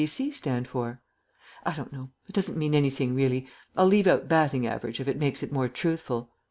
P.C.C. stand for?" "I don't know. It doesn't mean anything really. I'll leave out 'Batting average' if it makes it more truthful.